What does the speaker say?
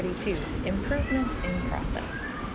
Improvements in Process.